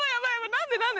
何で何で？